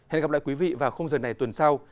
hẹn gặp lại quý vị vào khung giờ này tuần sau